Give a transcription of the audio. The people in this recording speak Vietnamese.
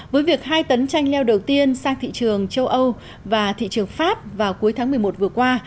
với việc hai tấn chanh leo đầu tiên sang thị trường châu âu và thị trường pháp vào cuối tháng một mươi một vừa qua